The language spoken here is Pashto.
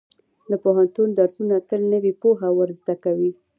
د پوهنتون درسونه تل نوې پوهه ورزده کوي.